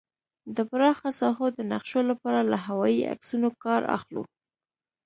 د پراخه ساحو د نقشو لپاره له هوايي عکسونو کار اخلو